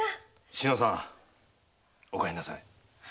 志乃さんお帰りなさい。